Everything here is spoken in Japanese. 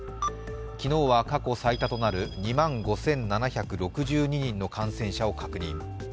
昨日は、過去最多となる２万５７６２人の感染者を確認。